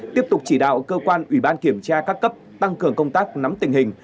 tiếp tục chỉ đạo cơ quan ủy ban kiểm tra các cấp tăng cường công tác nắm tình hình